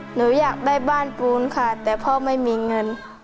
หนูอยากได้บ้านปูนค่ะแต่พ่อไม่มีเงิน